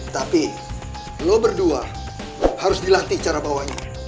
tapi lo berdua harus dilatih cara bawahnya